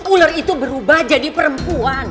ular itu berubah jadi perempuan